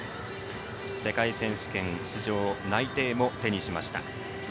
世界選手権出場内定も手にしました。